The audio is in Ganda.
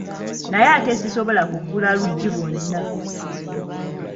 Naye ate sisobola kuggula luggi lwonna.